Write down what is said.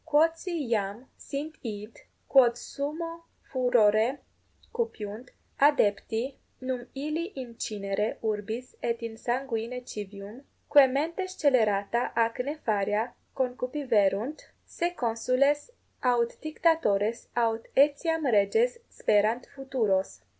Quodsi iam sint id, quod summo furore cupiunt, adepti, num illi in cinere urbis et in sanguine civium, quae mente scelerata ac nefaria concupiverunt, se consules aut dictatores aut etiam reges sperant futuros?